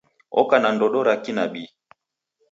Oka na ndodo ra kinabii.